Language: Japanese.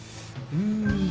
うん。